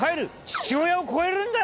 父親を超えるんだ！